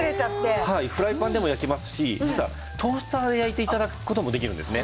はいフライパンでも焼けますし実はトースターで焼いて頂く事もできるんですね。